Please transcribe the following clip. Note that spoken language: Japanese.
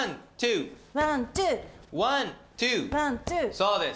そうです。